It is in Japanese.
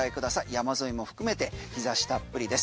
山沿いも含めて日差したっぷりです。